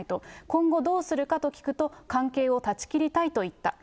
今後どうするかと聞くと、関係を断ち切りたいと言った。